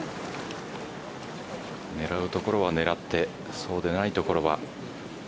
狙うところは狙ってそうでないところは。